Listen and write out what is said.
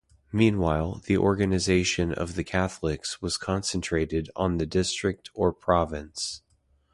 Meanwhile, the organization of the Catholics was concentrated on the district or province.